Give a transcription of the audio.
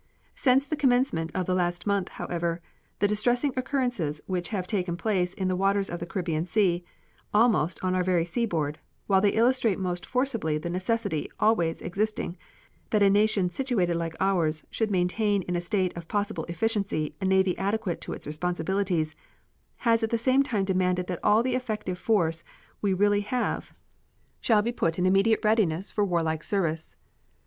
Since the commencement of the last month, however, the distressing occurrences which have taken place in the waters of the Caribbean Sea, almost on our very seaboard, while they illustrate most forcibly the necessity always existing that a nation situated like ours should maintain in a state of possible efficiency a navy adequate to its responsibilities, has at the same time demanded that all the effective force we really have shall be put in immediate readiness for warlike service.